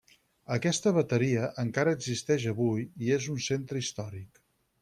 Aquesta bateria encara existeix avui i és un centre històric.